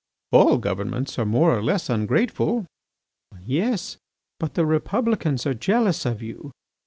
"All governments are more or less ungrateful." "Yes, but the Republicans are jealous of you.